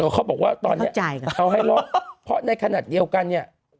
เขาบอกว่าตอนนี้เอาให้ล็อกเพราะในขณะเดียวกันเนี่ย